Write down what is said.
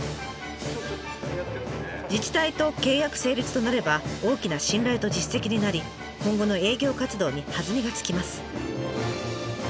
自治体と契約成立となれば大きな信頼と実績になり今後の営業活動に弾みがつきます。